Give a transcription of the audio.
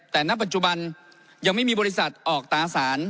แต่ณปัจจุบันยังไม่มีบริษัทออกตาสาร